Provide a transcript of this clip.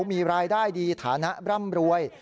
มีรายได้ดีฐานะร่ำรวย